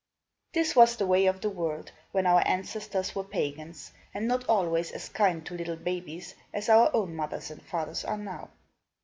This was the way of the world, when our ancestors were pagans, and not always as kind to little babies as our own mothers and fathers are now.